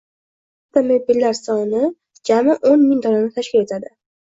Jami avtomobillar soni jami o‘n ming donani tashkil etadi